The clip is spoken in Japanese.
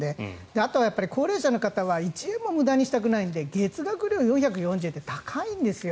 あとは高齢者の方は１円も無駄にしたくないので月額料４４０円って高いんですよ。